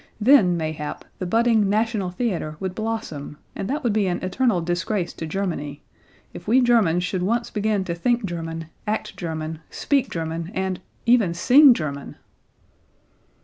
Then, mayhap, the budding National Theatre would blossom, and that would be an eternal disgrace to Germany, if we Germans should once begin to think German, act German, speak German, and even sing German!!!"